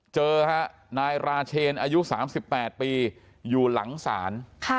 เจอฮะนายราเชนอายุ๓๘ปีอยู่หลังศาล